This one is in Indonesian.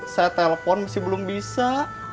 saya telpon masih belum bisa